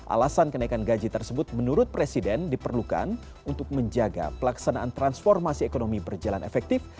alasan kenaikan gaji tersebut menurut presiden diperlukan untuk menjaga pelaksanaan transformasi ekonomi berjalan efektif